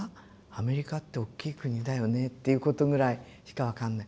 アメリカって大きい国だよねっていうことぐらいしか分かんない。